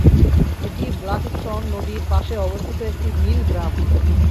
এটি ব্ল্যাকস্টোন নদীর পাশে অবস্থিত একটি মিল গ্রাম।